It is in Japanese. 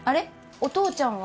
お父ちゃんは？